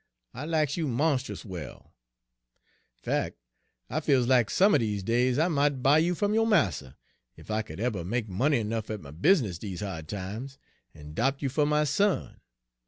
I lacks you monst'us well. Fac', I feels lack some er dese days I mought buy you fum yo' marster, ef I could eber make money ernuff at my bizess dese hard times, en 'dopt you fer my son.